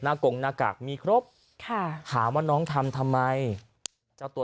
กงหน้ากากมีครบค่ะถามว่าน้องทำทำไมเจ้าตัว